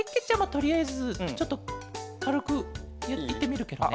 とりあえずちょっとかるくいってみるケロね。